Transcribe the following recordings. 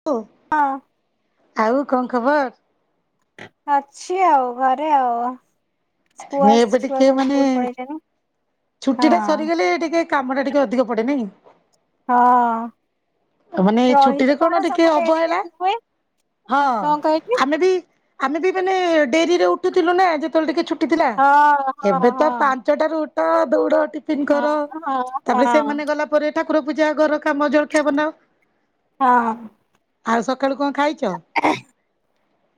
[unintelligible] ହଁ। ଆଉ କଣ ଖବର? ଅଛି ଆଉ ଘରେ ଆଉ? ସ୍କୁଆ ଏବେ ଛୁଆ ଟିକେ ସବୁ ମାନେ ସ୍କୁଲ ପଳେଇଲେଣି ଛୁଟି ଟା ହଁ ସରିଗଲେ ଏ ଟିକେ କାମ ଟା ଟିକେ ଅଧିକ ପଡେ ନାଇଁ? ହଁ ହଁ। ମାନେ ରହିଲେ ଛୁଟିରେ କଣ ଟିକେ ସବୁ ଡେରି ଅବହେଳା ଡେରି ହୁଏ ହଁ କଣ କହିଲି ଆମେ ବି ଆମେ ବି ମାନେ ଡେରିରେ ଉଠୁଥିଲୁ ନା ଯେତେବେଳେ ଟିକେ ଛୁଟି ଥିଲା, ହଁ ହଁ ଏବେ ତ ପା ହଁ। ପଞ୍ଚ ଟାରୁ ଉଠ ଦୌଡ ଟିପିନ୍ ହଁ କର, ହଁ ତାପରେ ସେ ମା ହଁ ଗଲା ତା ପରେ ଠାକୁର ପୂଜା ଘର କାମ ଜଳଖିଆ ବାନାଅ। ହଁ। ଆଉ ସକାଳୁ କଣ ଖାଇଚ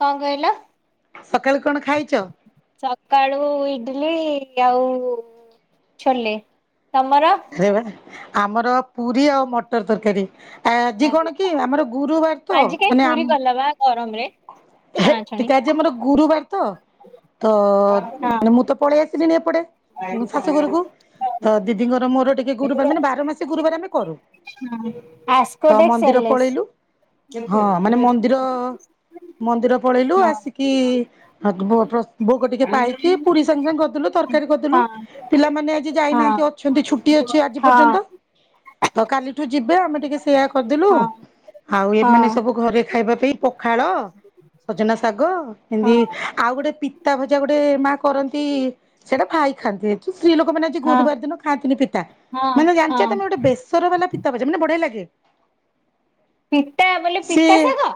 କଣ କହିଲ? ସକାଳୁ କଣ ଖାଇଚ? ସକାଳୁ ଇଡଲି ଆଉ ଛୋଲେ, ତମର? [unintelligible] ଆମର ପୁରୀ ଆଉ ମଟର ତରକାରୀ। ଆଜିି କଣ କି ଆମର ଗୁରୁବାର ତ ମାନେ ଗରମ ରେ [unintelligible] ଟିକେ ଆଜି ମୋର ଗୁରୁବାର ତ ତ ହଁ ମାନେ ମୁଁ ତ ପଳେଇ ଆସିଲେଣି ଏପଟେ। ଶାଶୁଘରକୁ ତ ଦିଦିଙ୍କର ମୋର ଟିକେ ଗୁରୁବାର ମାନେ ବାର ମାସି ଗୁରୁବାର ଆମେ ତ ମନ୍ଦିର ପଳେଇଲୁ କେତେ ହଁ ମାନେ ଏଲଏଚ ମନ୍ଦିର ମନ୍ଦିର ପଳେଇଲୁ ଆସିକି ପ୍ର ଭୋଗ ଟିକେ ପାଇକି ପୁରୀ ସାଙ୍ଗେ ସାଙ୍ଗେ କରିଦେଲୁ ତରକାରୀ କରିଦେଲୁ। ହଁ। ପିଲାମାନେ ଆଜି ଯାଇନାହାନ୍ତି ଅଛନ୍ତି ଛୁଟି ଅଛି ରାକ୍ଷୀ ପୂର୍ଣ୍ଣିମା। ତ କାଲିଠୁ ଯିବେ ଆମେ ଟିକେ ସେୟା କରିଦେଲୁ ଆଉ ଏମାନେ ସବୁ ଘରେ ଖାଇବା ପାଇଁ ପଖାଳ ସଜନା ଶାଗ ଏନ୍ତି ଆଉ ଗୋଟେ ପି ତା ଭଜା ଗୋଟେ ମା କରନ୍ତି ସେଇଟା ଭାଇ ଖାଆନ୍ତି ସ୍ତ୍ରୀ ଲୋକମାନେ ଗୁରୁବାର ଦିନ ଖାଆନ୍ତିିନି ପିତା ମାନେ ଜାଣିଛ ତମେ ଗୋଟେ ବେସର ବାଲା ପିତା ଭଜା ମାନେ ବଢିଆ ଲାଗେ। ପିତା ବୋଲି ସିଏ ପିତା ଶାଗ?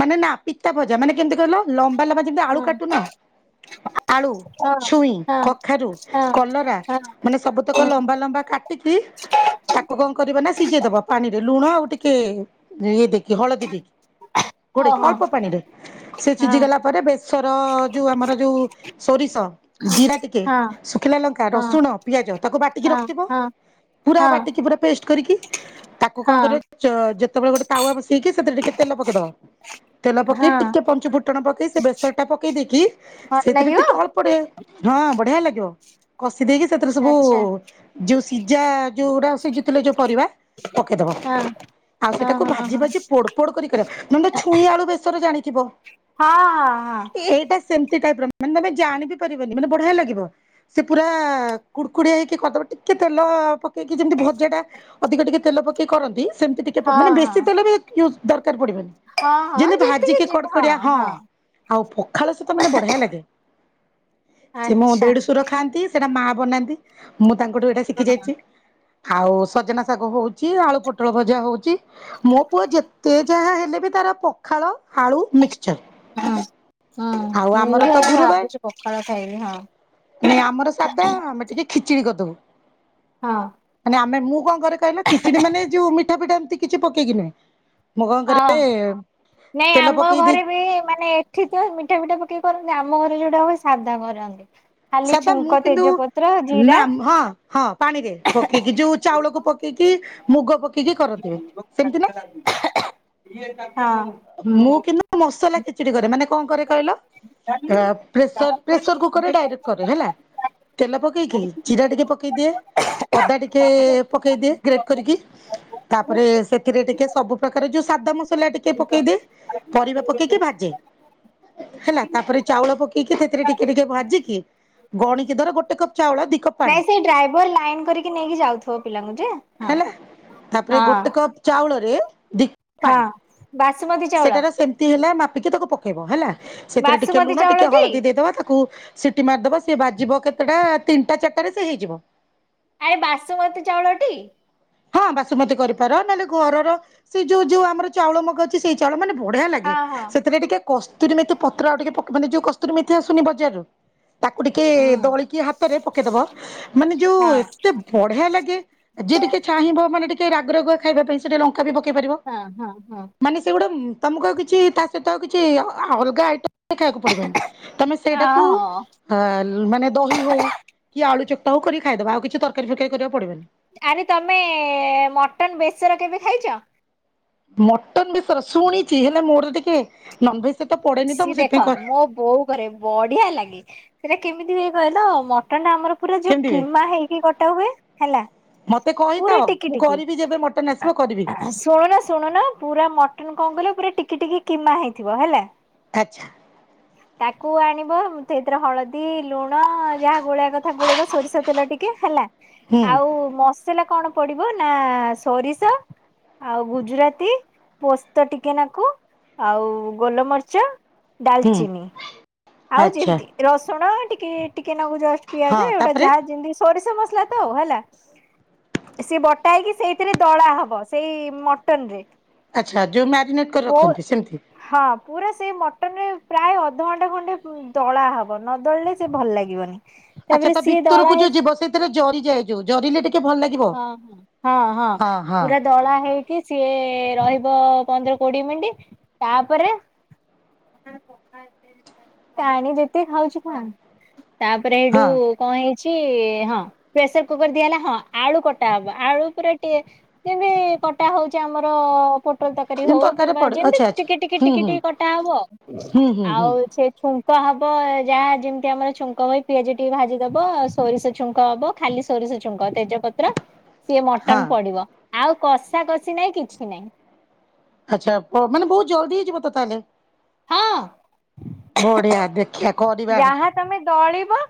ମାନେ ନା ପିତା ଭଜା ମାନେ କେମତି କହିଲ ଲମ୍ବା ଲମ୍ବା ଯେମିତି ଆଳୁ ଓହୋ କାଟୁନ ଆଳୁ ହଁ ଛୁଇଁ କଖାରୁ, ହଁ କଲରା ହଁ ମାନେ ସବୁତକ ଲମ୍ବା ଲମ୍ବା କାଟିକି ତାକୁ କଣ କରିବା ନା ସିଝେଇ ଦବା ପାଣିରେ ଲୁଣ ଆଉ ଟିକେ ଇଏ ଦେଇକି ହଳଦୀ ଦେଇକି। ହଁ ଗୋଡ଼େଇ ଅଳ୍ପ ପାଣିରେ ସେ ସିଝିଗଲା ପରେ ବେଶର ଯୋଉ ଆମର ଯୋଉ ସୋରିଷ ଜିରା ଟିକେ ଶୁଖିଲା ଲଙ୍କା, ରସୁଣ, ପିଆଜ ତାକୁ ବାଟିକି ରଖଥିବ। ହଁ ପୁରା ବାଟିକି ପୁରା ପେଷ୍ଟ କରିକି ତାକୁ ହଁ କଣ କରିବ ଯେତେବେଳେ ଗୋଟେ ତାୱ ବସେଇକି ସେଥିରେ ଟିକେ ତେଲ ପକେଇଦବା। ତେଲ ପକେଇ ହଁ ଟିକେ ପଞ୍ଚୁ ଫୁଟଣ ପକେଇ ସେ ବେସର ଟା ପକେଇ ଦେଇକି ଭଲ ସେଥିରେ ଲାଗିବ ଟିକେ ଅଳ୍ପ ହଁ ବଢିଆ ଲାଗିବ। କଷି ଦେଇକି ସେଥିରେ ସବୁ ଆଚ୍ଛା ଯୋଉ ସିଜା ଯଉଗୁଡା ଯୋଉ ପରିବା ପକେଇଦବ। ହଁ ଆଉ ହଁ ସେଟାକୁ ହଁ ଭାଜି ହଁ ଭାଜି ପୋଡ ପୋଡ କରି ନହେଲେ ଛୁଇଁ ଆଳୁ ବେସର ଜାଣିଥିବ? ହଁ ହଁ ହଁ। ଏଇଟା ସେମିତି ଟାଇପ ର ମାନେ ତମେ ଜାଣିି ପାରିବନ ମାନେ ବଢିଆ ଲାଗିବ। ସେ ପୁରା କୁଡକୁଡିଆ ହେଇକି କରିଦବ ଟିକେ ତେଲ ପକେଇକି ଯେମିତି ଭଜା ଟା ଅଧିକ ଟିକେ ତେଲ ପକେଇ କରନ୍ତି ସେମିତି ଟିକେ ହଁ ହଁ। ହଁ ମାନେ ବେଶୀ ତେଲ ବି ଦରକାର ହଁ ହଁ ପଡିବନି ହଁ ଯେମିତି ଯେତିକି ଭାଜିିକି ଯି କଡ଼କଡିଆ ହଁ ଆଉ ପଖାଳ ସହିତ ମାନେ ବଢିଆ ଲାଗେ ସେ ମୋ ଆଚ୍ଛା ଦେଢ ସୁର ଖାଆନ୍ତି। ସେଟା ମା ବନାନ୍ତି ମୁଁ ତାଙ୍କଠୁ ଏଇଟା ଶିଖି ହଁ। ଯାଇଛି। ଆଉ ସଜନା ଶାଗ ହଉଛି, ଆଳୁ ପୋଟଳ ଭଜା ହଉଛି ମୋ ପୁଅ ଯେତେ ଯାହା ହେଲେ ବି ତାର ପଖାଳ, ଆଳୁ, ମିକ୍ସଚର। ହଁ ଆଉ ହୁଁ ମୁଁ ଆମର ଭି ତ ଏଇନା ଗୁରୁବାର ଭାବୁଛି ପଖାଳ ଖାଇବି ହଁ। ନାଇଁ ଆମର ସାଧା ଆମେ ଟିକେ ଖିଚିଡି କରିଦବୁ। ହଁ। ମାନେ ଆମେ ମୁଁ କଣ କରେ କହିଲ ନା ଖିଚିଡି ମାନେ ଯୋଉ ମିଠା ଫିଟା ଏମିତି କିଛି ପକେଇକି ନୁହଁ। ହଁ ନାଇଁ ତେଲ ଆମ ପକେଇ ଦେଇ ଘରେ ବି ମାନେ ଏଠି ମିଠା ଫିଠା ପକେଇ କରନ୍ତି ଆମ ଘରେ ଯୋଉଟା ହୁଏ ସାଧା କରନ୍ତି। ଖାଲି ସଦା ଛୁଙ୍କ ମୁଁ କିନ୍ତୁ ତେଜପତ୍ର ଜିରା ନା-ହଁ-ହଁ ପାଣିରେ ପକେଇକି ଯୋଉ ଚାଉଳକୁ ପକେଇ ପକେଇକି ମୁଗ ପକେଇକି କରନ୍ତିି ସେମିତି ନା? ହଁ। ମୁଁ କିନ୍ତୁ ମସଲା ଖିଚୁଡି କରେ ମାନେ କଣ କରେ କହିଲ? ପ୍ରେସର ପ୍ରେସର କୁକରରେ ଡାଇରେକ୍ଟ କରେ ହେଲା। ତେଲ ପକେଇକି ଜିରା ଟିକେ ପକେଇଦିଏ ଅଦା ଟିକେ ପକେଇଦିଏ ଗ୍ରେଡ କରିକି। ତାପରେ ସେଥିରେ ଟିକେ ସବୁ ପ୍ରକାର ଯୋଉ ସାଦା ମସଲା ଟିକେ ପକେଇ ଦିଏ ପରିବା ପକେଇକି ଭାଜେ। ହେଲା ତାପରେ ଚାଉଳ ପକେଇକି ସେଥିରେ ଟିକେ ଟିକେ ଭାଜିକି ଗଣିକି ଧର ଗୋଟେ କପ୍ ଚାଉଳ ଦି କପ୍ ପାଣି। ନାଇଁ ସେଇ ଲାଇନ କରିକି ନେଇକି ଯାଉଥିବ ପିଲାଙ୍କୁ ଯେ ହ ହେଲା। ତାପରେ ହଁ। ଗୋଟେ କପ୍ ଚାଉଳରେ ଦି କପ୍ ହଁ। ପାଣି। ବାସୁମତୀ ଚାଉଳ ସେଟାର ସେମିତି ହେଲା ମାପିକି ତାକୁ ପକେଇବ ହେଲା। ସେଥିରେ ଟିକେ ବାସୁମତୀ ଲୁଣ ଚାଉଳ ଟିକେ ଟି? ହଳଦୀ ଦେଇଦବା ତାକୁ ସିଟି ମାରିଦବ ସିଏ ବାଜିବ କେତେଟା ତିନିଟା ଚାରିଟାରେ ସେ ହେଇଯିବ। ଆରେ ବାସୁମତୀ ଚାଉଳଟି? ହଁ ବାସୁମତି କରିପାର ନହେଲେ ଘରର ସେ ଯଉ ଯୋଉ ଆମର ଚାଉଳ ମଗ ସେଇ ଚାଉଳ ମାନେ ବଢିଆ ହଁ ଲାଗେ ହଁ। ସେଥିରେ ଟିକେ କସ୍ତୁୁରୀ ମେଥି ପତ୍ର ଆଉ ଟିକେ ମାନେ ଯୋଉ କସ୍ତୁୁରୀ ମେଥି ପତ୍ର ଆସୁନି ବଜାରରୁ। ତାକୁ ଟିକେ ହୁଁ ଦଳିକି ହାତରେ ପକେଇଦବ ମାନେ ଯୋଉ ହଁ ଏତେ ବଢିଆ ଲାଗେ ଯିଏ ଟିକେ ଚାହିଁବ ମାନେ ଟିକେ ରାଗ ରଗୁଆ ଖାଇବା ପାଇଁ ସେ ଟିକେ ଲଙ୍କା ବି ପକେଇ ପାରିବ। ହଁ ହଁ ହଁ। ମାନେ ସେଗୁଡ଼ା ତମକୁ ଆଉ କିଛି ତା ସହିତ ଆଉ କିଛି ଅଲଗା ଆଇଟମ ଖାଇବାକୁ ପଡିବନି ତମେ ସେଇଟାକୁ ଓହୋ। ଆ ମାନେ ଦହି ହଉ କି ଆଳୁ ଚକଟା ହଉ କରି ଖାଇଦବ ଆଉ କିଛି ତରକାରୀ ଫରକାରୀ କରିବାକୁ ପଡିବନି। ଆରେ ତମେ ମଟନ ବେସର କେବେ ଖାଇଚ? ମଟନ ବେସର ଶୁଣିଛି ହେଲେ ମୋର ଟିକେ ନନଭେଜ ସହିତ ପଡେନି ତ ସିଏ ମୁଁ ଦେଖ ସେଥିପାଇଁ କରେ ମୋ ବୋଉ କରେ ବଢିଆ ଲାଗେ ସେଇଟା କେମିତି ହୁଏ କହିଲ ମ କଣ ନା ଆମର ପୁରା ଯୋଉ କେମିତି ହୁଏ? କିମା ହେଇକି କଟା ହୁଏ ହେଲା। ମତେ ପୁରା କହିଥାଅ ଟିକି ମୁଁ ଟିକି କରିବି ଯେବେ ମଟନ ଆସିବ କରିବି। ଶୁଣୁନ ଶୁଣୁନ ପୁରା ମଟନ କଣ କହିଲ ପୁରା ଟିକି ଟିକି କିମା ହେଇଥିବ ହେଲା। ଆଚ୍ଛା। ତାକୁ ଆଣିବ ସେଇଥିରେ ହଳଦୀ ଲୁଣ ଯାହା ଗୋଳେଇବା କଥା ଗୋଳେଇବ ସୋରିଷ ତେଲ ଟିକେ ହେଲା, ହୁଁ ଆଉ ମସ ସଲା କଣ ପଡିବ ନା ସୋରିଷ ଆଉ ଗୁଜୁରାତି ପୋସ୍ତ ଟିକେନାକୁ ଆଉ ଗୋଲମରିଚ ହୁଁ। ଡାଲଚିନି, ଆଉ ଆଚ୍ଛା ଯେମିତି ରସୁଣ ଟିକେ ଟିକେନାଗୁ ଯଷ୍ଟ ହଁ ପିଆଜ ଏଉଟା ତାପରେ ଯାହା ଯେମତି ସରିଷ ମସଲାତ ହେଲା। ସିଏ ବଟାଇକି ସେଇଥିରେ ଦଳା ହବ ସେଇ ମଟନରେ। ଆଚ୍ଛା, ଯୋଉ ମ୍ୟାରିନେଟ କରି ରଖନ୍ତି ସେମତି। ହ। ପୁରା ସେଇ ମଟନରେ ପ୍ରାୟ ଅଧଘଣ୍ଟା ଖଣ୍ଡେ ଦଳାହବ ନ ଦଳିଲେ ସେ ଭଲ ଲାଗିବନି। ଆଚ୍ଛା ତାପରେ ତା ସିଏ ଦଳା ଭିତରକୁ ହେଇ ଯୋଉ ଯିବ ସେଥିରେ ଜରିଯାଏ ଯଉ ଜରିଲେ ଟିକେ ଭଲଲାଗେ। ହଁ ହଁ ହଁ ପୁରା ଦଳା ହେଇ କି ସିଏ ରହିବ ପନ୍ଦର କୋଡିଏ ମିନିଟ, ତାପରେ ପାଣି ଯେତକି ଖାଉଚୁ ଖା ତାପରେ ହେଠୁ ହଁ କଁ ହେଇଛି ହଁ ପ୍ରେସର କୁକର ଦିଆହେଲା ହଁ। ଆଳୁ କଟାହବା ଆଳୁ ପୁରା ଯେମତି କଟା ହଉଛି ଆମର ପୋଟଳ ତରକାରୀ ଯେମିତି ହଉ ତରକାରୀରେ କିମ୍ବା ପଡେ ଯେମିତି ଆଚ୍ଛା ଆଚ୍ଛା ଟିକେ ଟିକେ ହୁଁ ଟିକେ ହୁଁ ଟିକେ କଟା ହବ, ହୁଁ ହୁଁ ହୁଁ। ଆଉ ସେଇଠୁ ହବ ଯାହା ଯେମିତି ଆମର ଛୁଙ୍କ ହୁଏ ପିଆଜ ଟିକେ ଭାଜିଦବ ସୋରିଷ ଛୁଙ୍କହବ। ଖାଲି ସୋରିଷ ଛୁଙ୍କ ତେଜ ପତ୍ର ସିଏ ହଁ ମଟନ ପଡିବ ଆଉ କଷା କଷି ନାଇଁ କିଛି ନାଇଁ। ଆଚ୍ଛା, ମାନେ ବହୁତ ଜଲ୍ଦି ହେଇଯିବତ ତାହେଲେ। ହଁ ବଢିଆ ଦେଖିଆ କରିବା। ଯାହା ତମେ ଦଳିବ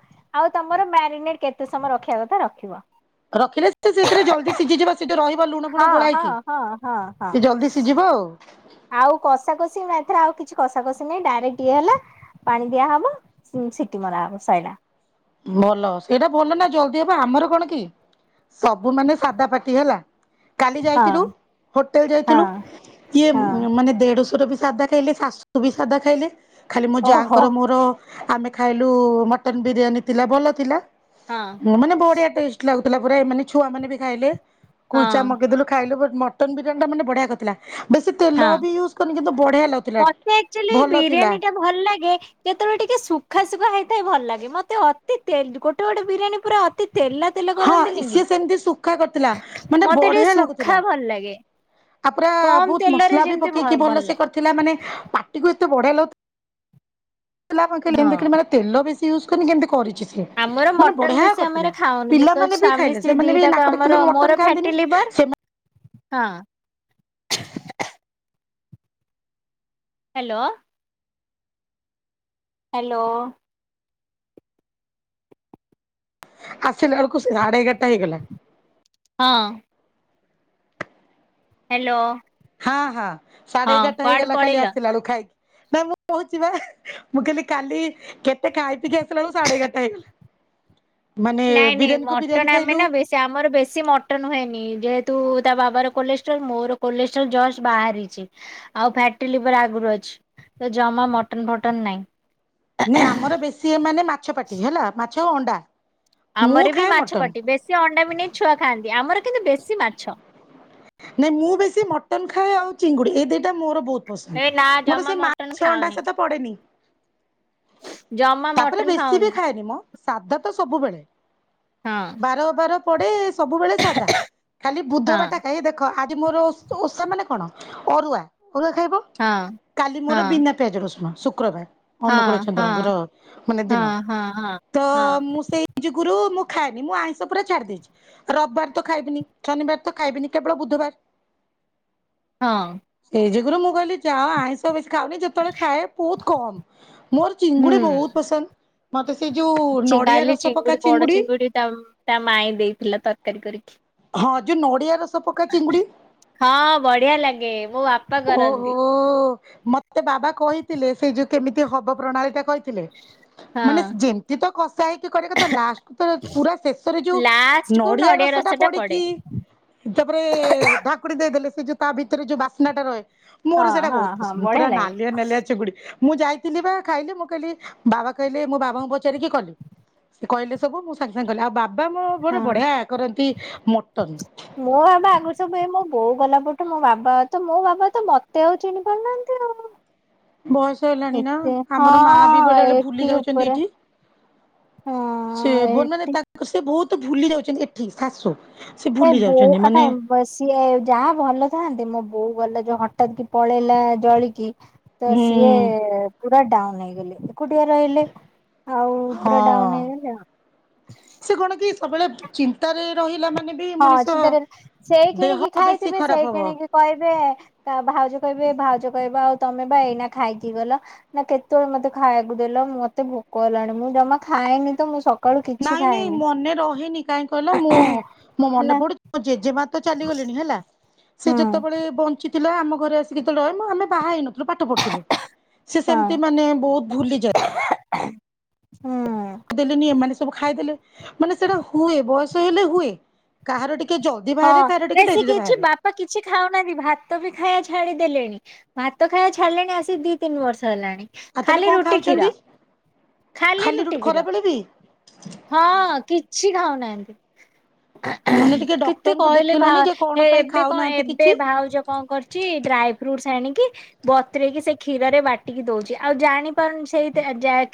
ଆଉ ତମର ମ୍ୟାରିନେଟ କେତେ ସମୟ ରଖିବା କଥା ରଖିବ। ରଖିଲେ ସେଥିରେ ଜଲ୍ଦି ସିଝିଯିବା ସେ ଯୋଉ ରହିବ ଲୁଣ ଫୁଣ ହଁ ହଁ ଗୋଳାଇକି ହଁ ହଁ ହଁ ସେ ଜଲଦି ସିଝିବ ଆଉ। ଆଉ କଷା କଷି ଏଥରେ ଆଉ କିଛି କଷା କଷି ନାଇଁ ଡାଇରେକ୍ଟ ଇଏ ହେଲା। ପାଣି ଦିଆହବ ସିଟି ମରାହବ ସଇଲା। ଭଲ ସେଇଟା ଭଲନା ଜଲଦି ହବ ଆମର କଣକି ସବୁ ମାନେ ସାଧା ଫାଟି ହେଲା। କାଲି ହଁ ଯାଇଥିଲୁ ହୋଟେଲ ହଁ ଯାଇଥିଲୁ ଇଏ ହଁ ମାନେ ଦେଢଶୁରବି ସାଧା ଲେ ଶାଶୁବି ସାଧା ଖାଇଲେ ଖାଲି ମୋ ଓହୋ ଯାଆଙ୍କର ମୋର ଆମେ ଖାଇଲୁ ମଟନ ବିରିୟାନୀ ଥିଲା ଭଲ ଥିଲା, ହଁ ମାନେ ବଢିଆ ଟେଷ୍ଟ। ଲାଗୁଥିଲା ପୁରା ଏମାନେ ଛୁଆ ମାନେବି ଖାଇଲେ ହଁ ସ୍କୁଲଛୁଆ ମଗେଇଦେଲୁ ଖାଇଲୁ, ବଟ୍ ମଟନ ବିରିୟାନି ଟା ମାନେ ବଢିଆ କରିଥିଲା। ବେଶି ହଁ। ତେଲବି ୟୁଜ କରିନି କିନ୍ତୁ ବଢିଆ ଲାଗୁଥିଲା ମତେ ଆକ୍ଚୁଆଲି ଭଲଥିଲା। ବିରିୟାନୀ ଟା ଭଲ ଲାଗେ କେତେବେଳେ ଟିକେ ସୁଖା ସୁୁଖା ହେଇଥାଏ ଭଲ ଲାଗେ ମତେ ଅତି ତେ ଗୋଟେ ଗୋଟେ ବିରିୟାନୀ ପୁରା ଅତି ତେଲା ତେଲ ହଁ କରନ୍ତିନି କି ସିଏ ସେମିତି ସୁଖା କରିଥିଲା ମାନେ ମତେ ଟିକେ ବଢିଆ ଲାଗୁଥିଲା। ସୁଖା ଭଲ ଲାଗେ ଆଉ ପୁରା କମ ବହୁତ ତେଲରେ ମସଲାବି ଯେମିତି ଭ ପକେଇକି ଭଲ ଭଲସେ ଲାଗେ କରି ଥିଲା ମାନେ ପାଟିକୁୁ ଏତେ ବଢିଆ ଲାଗୁଥିଲା ହଁ। ଦେଖିଲା ମାନେ ତେଲ ବେଶୀ ୟୁଜ କରିନି କେମିତି କରିଚି ସେ ଆମର ମାନେ ମଟନ ବଢିଆ ବେଶୀ କରିଥିଲା। ଆମର ଖାଉନି ବିକଜ ପିଲାମାନେ ବି ସ୍ଵାମୀ ଖାଇଲେ ସ୍ତ୍ରୀ ସେମାନେବି ଦିଟାକ ନାକଟେକୁଥିଲେ ଆମର ମୋର ମଟନ ଫ୍ୟାଟି ଖାଆନ୍ତିନି ଲିଭର ସେମାନେ ହଁ। ହାଲୋ। ହାଲୋ। ଆସିଲା ଏଳକୁ ସାଢ଼େ ଏଗାରଟା ହେଇଗଲା। ହଁ। ହ୍ୟାଲୋ। ହଁ ହଁ ସାଢେ ହଁ ଏଗାରଟା କୁଆଡେ ହେଇଗଲା ଖାଲି ପଳେଇଲ? ଆସିଲା ଏଳୁ ଖାଇକି। ନା ମୁଁ କହୁଚି ବା ମୁଁ କହିଲି କାଲି କେତେ ଖାଇ ପିିଇକି ଆସିଲା ବେଳୁ ସାଢେ ଏଗାରଟା ହେଇଗଲା। ମାନେ ନାଇଁ ନାଇଁ ବିରିୟାନୀ କୁ ମଟନ ବିରିୟାନୀ ଆମେ ଖାଇଲୁ ନା ବେଶୀ ଆମର ବେଶୀ ମଟନ ହୁଏନି ଯେହେତୁ ତା ବାବା ର କୋଲେଷ୍ଟ୍ରୋଲ ମୋର କୋଲେଷ୍ଟ୍ରୋଲ ଜଷ୍ଟ ବାହାରିଚି। ଆଉ ଫ୍ୟାଟି ଲିଭର ଆଗରୁ ଅଛି ତ ଜମା ମଟନ ଫଟନ ନାଇଁ। ନାଇଁ ଆମର ବେଶୀ ଏ ମାନେ ମାଛ ପାଟି ହେଲା ମାଛ ଅଣ୍ଡା। ମୁଁ ଆମର ବି ଖାଏ ମାଛ ମଟନ। ପାଟି ବେଶୀ ଅଣ୍ଡା ବି ନାଇ ଛୁଆ ଖାଆନ୍ତି ଆମର କିନ୍ତୁ ବେଶୀ ମାଛ। ନାଇଁ ମୁଁ ବେଶୀ ମଟନ ଖାଏ ଆଉ ଚିଙ୍ଗୁଡି ଏଇ ଦିଟା ମୋର ବହୁତ ପସନ୍ଦ। ଏ ନା ମୋର ଜମା ସେଇ ମଟନ ମାଛ ଅଣ୍ଡା ଖାଉନି ସେତ ପଡେନି। ଜମା ତାପରେ ମଟନ ବେଶୀ ବି ଖାଉନି ଖାଏନି ମ ସାଧା ତ ସବୁବେଳେ। ହଁ ବାର ଅବାର ପଡେ ସବୁବେଳେ ସାଧା ଖାଲି ହଁ ବୁଧବାର ଏଇ ଦେଖ ଆଜି ମୋର ଓଷ ଓଷା ମାନେ କଣ ଅରୁଆ ଅରୁଆ ଖାଇବ। ହଁ କାଲି ମୋର ବିନା ପିଆଜ ରଶୁଣ ଶୁକ୍ରବାର। ହଁ ଅନୁକୂଳ ହଁ ଚନ୍ଦ୍ରଙ୍କର ମାନେ ହଁ ଦିନ ହଁ ହଁ ହଁ। ତ ହଁ ମୁଁ ସେଇ [unintelligible] ଗୁରୁ ମୁଁ ଖାଏନି ମୁଁ ଆଇଁଷ ପୁରା ଛାଡି ଦେଇଚି। ରବିବାର ତ ଖାଇବିନି ଶନିବାର ତ ଖାଇବିନି କେବଳ ବୁଧବାର। ହଁ। ସେଇ ଯୋଗୁରୁ ମୁଁ କହିଲି ଯାଅ ଆଇଁଷ ବେଶୀ ଖାଉନି ଯେତେବେଳେ ଖାଏ ବହୁତ କମ। ମୋର ହୁଁ ଚିଙ୍ଗୁଡି ବହୁତ ପସନ୍ଦ। ମତେ ସେ ଯୋଉ ନଡିଆ ରସ ପକା ଚିଙ୍ଗୁଡି ତ ତା ମାାଇଁ ଦେଇଥିଲା ତରକାରୀ କରିକି। ହଁ ଯେ ନଡ଼ିଆ ରସ ପକା ଚିଙ୍ଗୁଡି ହଁ ବଢିଆ ଲାଗେ ମୋ ବାପା କରନ୍ତି। ଓହୋ। ମତେ ବାବା କହିଥିଲେ ସେ ଯୋଉ କେମିତି ହବ ପ୍ରଣାଳୀ ଟା କହିଥିଲେ। ମାନେ ହଁ। ଯେମତି ତ କସା ହେଇକି କରିଆ କଥା ଲାଷ୍ଟକୁ ତ ପୁରା ଶେଷରେ ଯୋଉ ଲାଷ୍ଟ କୁ ନଡିଆ ରସ ଟା ପଡେ। କି ତାପରେ ଧାକୁଡି ଦେଇଦେଲେ ସେ ଯୋଉ ତା ଭିତରେ ଯୋଉ ବାସ୍ନା ଟା ରହେ ହଁ ମୋର ସେଇଟା ହଁ ବହୁତ ହଁ ପସନ୍ଦ। ବଢିଆ ପୁରା ଲାଗେ। ନାଲିଆ ନାଲିଆ ଚୁଗୁଡି। ମୁଁ ଯାଇଥିଲି ବା ଖାଇଲି ମୁଁ କହିଲି ବାବା କହିଲେ ମୋ ବାବାଙ୍କୁ ପଚାରିକି କଲି। ସେ କହିଲେ ସବୁ ମୁଁ ସାଙ୍ଗେ ସାଙ୍ଗେ କଲି। ଆଉ ବାବା ମୋର ବଢିଆ କରନ୍ତି ମଟନ। ମୋ ବାବା ଆଗରୁ ସବୁ ଏ ମୋ ବୋଉ ଗଲାପରଠୁ ମୋ ବାବା ତ ମୋ ବାବା ତ ମତେ ଆଉ ଚିହ୍ନି ପାରୁନାହାନ୍ତି ଆଉ। ବୟସ ହେଲାଣି ନା। ଏତେ ଆମର ମା ବି ହଁ ବେଳେ ବେଳେ ଭୁଲି ଏଠି ଯାଉଚନ୍ତି ଉପରେ ଏଇଠି। ସେ ହଁ ବୋନରେ ଏଠି ତା ସେ ବହୁତ ଭୁଲି ଯାଉଚନ୍ତି ଏଇଠି ଶାଶୁ। ସେ ଭୁଲି ଯାଉଚନ୍ତି ମାନେ ଅ ସିଏ ଯାହା ଭଲ ଥାଆନ୍ତେ ମୋ ବୋଉ ଗଲେ ଯୋଉ ହଠାତ୍ କି ପଳେଇଲା ଜଳିକି। ତ ସିଏ ହୁଁ ପୁରା ଡାଉନ ହେଇଗଲେ ଏକୁଟିଆ ରହିଲେ। ଆଉ ହଁ ପୁରା ଡାଉନ ହେଇଗଲେ। ସେ କଣ କି ସବୁବେଳେ ଚିନ୍ତାରେ ରହିଲା ମା ହଁ ଚିନ୍ତା ରେ ସେଇ ଖିଣିକି ବେଶୀ ଖାଇଥିବେ ଖରାପ ସେଇ ହବ ଖିଣିକି କହିବେ ଆ ଭାଉଜ କହିବେ ଭାଉଜ କହିବ ଆଉ ତମେ ବା ଏଇନା ଖାଇକି ଗଲ ନା କେତେବେଳେ ମତେ ଖାଇବାକୁ ଦେଲ ମୋତେ ଭୋକ ହେଲାଣି। ମୁଁ ଜମା ଖାଏନି ତ ମୁଁ ସ ନାଇଁ ନାଇଁ ମନେ ରହେନି। କାହିଁ କହିଲ ମୁଁ ମୋ ମନେ ହେଲା ପଡୁଛି ଜେଜେମା ତ ଚାଲିଗଲେଣି ହେଲା। ସେ ହୁଁ ଯେତେବେଳେ ବଞ୍ଚିଥିଲା ଆମ ଘରେ ଆସିକି ଯେତେବେଳେ ରହେ ମ ଆମେ ବାହା ହେଇନୁ। ପାଠ ପଢୁଥିଲୁ ସେ ହଁ ସେମିତି ମାନେ ବହୁତ ଭୁଲି ଯାଏ। ହୁଁ ଦେଲେନି ଏ ମାନେ ସବୁ ଖାଇଦେଲେ। ମାନେ ସେଟା ହୁଏ ବୟସ ହେଲେ ହୁଏ। କାହାର ଟିକେ ଜଲଦି ବାହାରେ କାହାର ଟିକେ ଡେରି ବାହାରେ। ବା କିଛି ଖାଉନାହାନ୍ତି ଭାତ ବି ଖାଇଆ ଛାଡିଦେଲେଣି। ଭାତ ଖାଇବା ଛାଡିଲେଣି ଆସି ଦି ତିନି ବର୍ଷ ହେଲାଣି। ଆଉ ତାହେଲେ ଖାଲି କଣ ରୁଟି କ୍ଷୀର ଖାଉଛନ୍ତି ଖାଲି ରୁଟି କ୍ଷୀର। ହଁ କିଛି ଖାଉନାହାନ୍ତି। [unintelligible] କେତେ କହିଲେ ଦେଖେଇଲନି ଭାଉ ଯେ କଣ ହେ ପାଇଁ ଏବେ କଣ ଖାଉନାହାନ୍ତି ଏବେ କିଛି ଭାଉଜ କଣ କରି। ଛି ଡ୍ରାଇ ଫ୍ରୁଟ୍ସ ଆଣିକି ବତୁରେଇକି ସେ କ୍ଷୀରରେ ବାଟିକି ଦଉଛି ଆଉ ଜାଣି ପାରୁନି ସେଇ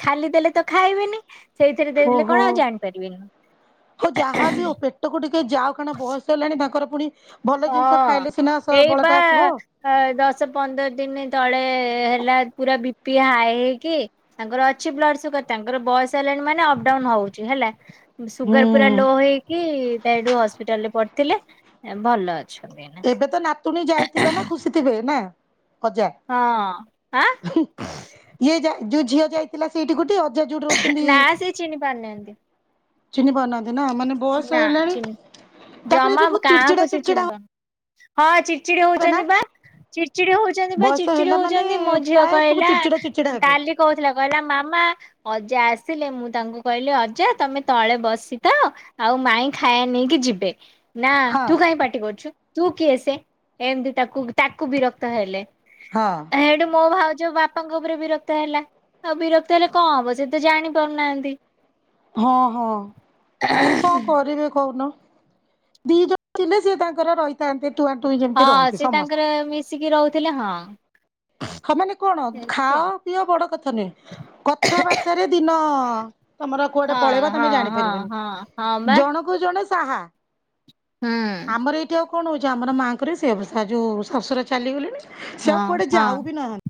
ଖାଲି ଦେଲେ ତ ଖାଇବେନି। ସେଇଥିରେ ଦେଇଥିଲେ ଓହୋ। କଣ ଆଉ ଜାଣିପାରିବେନି। ପଟକୁ ଟିକେ ଯାଉ କଣ ବୟସ ହେଲାଣି ତାଙ୍କର ପୁଣି ଭଲ ଜିନିଷ ହଁ ଖାଇଲେ ସିନା ଏଇ ବା ବଳଟା ଆସିବ। ଦଶ ପନ୍ଦର ଦିନ ତଳେ ହେଲା ପୁରା ବି ପି ହାଇ ହେଇକି ତାଙ୍କର ଅଛି ବ୍ଲଡ ସୁଗାର ତାଙ୍କର ବୟସ ହେଲାଣି ମାନେ ଅପଡାଉନ ହଉଛି ହେଲା। ହୁଁ ସୁଗାର ପୁରା ଲୋ ହେଇକି ତା ସେଇଠୁ ହସ୍ପିଟାଲ ରେ ପଡିଥିଲେ ଭଲ ଅଛି। ଏବେ ତ ନାତୁଣୀ ଯାଇଥିଲା ନା ଖୁସି ଥିବେ ନା ଅଜା। ହଁ ଆଁ। ଇଏ ଯ ଯୋଉ ଝିଅ ଯାଇଥିଲା ସେଇଠି ଗୋଟେ ଅଯା ଯୋଉଠି ରହୁଛନ୍ତି ନାଁ ସେ ଚିନି ପାରୁନାହାନ୍ତି। ଚିହ୍ନିପାରୁନାହାନ୍ତି ନା ମାନେ। ବୟସ ନା ହେଲାଣି ଚିହ୍ନି ତାପରେ ଜମା ଏବେ ବହୁତ ଚିଡଚିଡା କାହାକୁ ସେ ଚିଡଚିଡା ଚିହ୍ନିପାରୁ ହଁ ଚିଡ଼ଚିଡି ହେବେ ନା ହଉଛନ୍ତି ବା। ଚିଡଚିଡି ହଉଛନ୍ତି ବା ବୟସ ଚିଡଚିଡି ହେଲା ମାନେ ହଉଛନ୍ତି ମୋ ଝିଅ ପ୍ରାୟ ସବୁ କହିଲା ଚିଡଚିଡା ଚିଡଚିଡା ହେବେ। କାଲି କହୁଥିଲା କହିଲା ମାମା ଅଜା ଆସିଲେ ମୁଁ ତାଙ୍କୁ କହିଲି ଅଜା ତମେ ତଳେ ବସିଥାଅ ଆଉ ମାଇଁ ଖାଇବା ନେଇକି ଯିବେ। ନା ହଁ ତୁ କାଇଁ ପାର୍ଟି କରୁଛୁ। ତୁ କିଏସେ ଏମତି ତାକୁ ତାକୁ ବିରକ୍ତ ହେଲେ। ହଁ। ହେଇଠୁ ମୋ ଭାଉଜ ବାପାଙ୍କ ଉପରେ ବିରକ୍ତ ହେଲା। ଆଉ ବିରକ୍ତ ହେଲେ କଣ ହବ ସେ ତ ଜାଣି ପାରୁନାହାନ୍ତି। ହଁ ହଁ କ କରିବେ କହୁନ ଦି ଯୋଉ ଥିଲେ ସିଏ ତାଙ୍କର ରହି ତ ଏମିତି ଟୁଆଁ ଟୁଇଁ ଯେମିତି ହଁ ରୁହନ୍ତି ସେ ସମସ୍ତେ। ତାଙ୍କର ମିଶିକି ରହୁଥିଲେ ହଁ। ହଁ ମାନେ କଣ ଏମିତି ଖାଅ ପିଅ ବଡ କଥା ନୁହେଁ କଥାବାର୍ତାରେ ଦିନ ତମର କୁଆଡେ ପଳେଇବ ଆଉ ହଁ ତମେ ହଁ ହଁ ଜାଣିପାରିବନି ହଁ ହଁ ବା ଜଣକୁ ତାଙ୍କୁ ଜଣେ ସାହା। ହୁଁ ଆମର ଏଇଠି ଆଉ କଣ ହଉଛି ଆମର ମାଆଙ୍କର ସେଇ ଅବସ୍ଥା ଯୋଉ ଶଶୁର ଚାଲିଗଲେଣି ସେ ଆଉ ହଁ କୁଆଡେ ହଁ। ଯାଉ ବି ନାହା